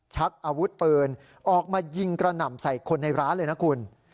ชักอาวุธปืนออกมายิงกระหน่ำใส่คนในร้านเลยนะคุณ